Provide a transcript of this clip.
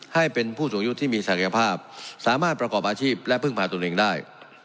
ให้เป็นผู้สูงอายุที่มีศักยภาพสามารถประกอบอาชีพและพึ่งพาตนเองได้